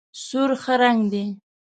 سور ښه رنګ دی.